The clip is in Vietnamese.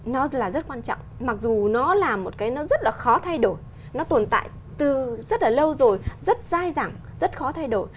nó là rất quan trọng mặc dù nó là một cái nó rất là khó thay đổi nó tồn tại từ rất là lâu rồi rất dai dẳng rất khó thay đổi